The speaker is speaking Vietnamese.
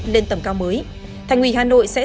lên tầm cao mới thành ủy hà nội sẽ